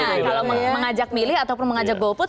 kalau mengajak milih ataupun mengajak go put